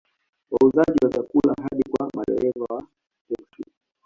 Wauzaji wa vyakula hadi kwa madereva wa teksi